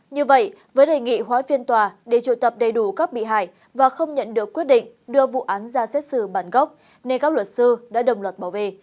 như vậy với đề nghị hoãi phiên tòa để trụ tập đầy đủ các bị hại và không nhận được quyết định đưa vụ án ra xét xử bản gốc nên các luật sư đã đồng luật bảo vệ